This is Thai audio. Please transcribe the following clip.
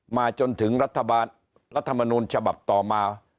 มาจนถึงรัฐบาลรัฐมนูลฉบับต่อมา